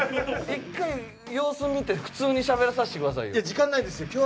１回、様子を見て普通にしゃべらさせてくださいよ。